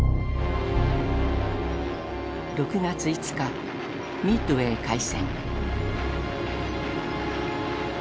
６月５日ミッドウェー海戦。